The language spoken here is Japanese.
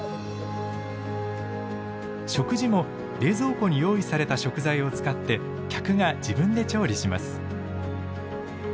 食事も冷蔵庫に用意された食材を使って客が自分で調理します。